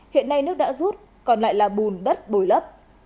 hiện nay nước đã rút còn lại là bùn đất bồi lấp